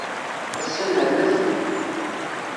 Ass-a nerna-ten.